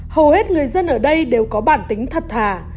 hầu hết người dân ở đây đều có bản tính thật thà